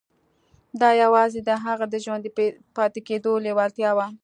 دا یوازې د هغه د ژوندي پاتې کېدو لېوالتیا وه